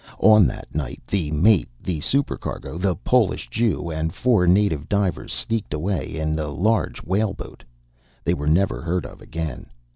On that night, the mate, the supercargo, the Polish Jew, and four native divers sneaked away in the large whale boat. They were never heard of again.